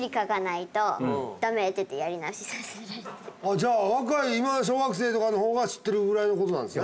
じゃあ若い今の小学生とかの方が知ってるぐらいのことなんですね？